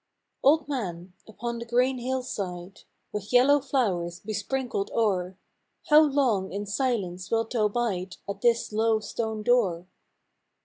/^\LD man, upon the green hillside, With yellow flowers besprinkled o'er, How long in silence wilt thou bide At this low stone door